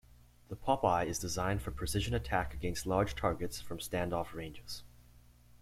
The Popeye is designed for precision attack against large targets from stand off ranges.